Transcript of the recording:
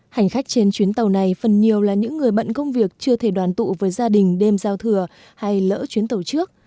hành khách trên chuyến tàu này phần nhiều là những người bận công việc chưa thể đoàn tụ với gia đình đêm giao thừa hay lỡ chuyến tàu trước